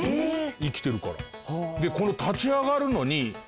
生きてるから。